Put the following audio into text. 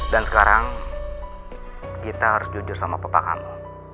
dan sekarang kita harus jujur sama papa kamu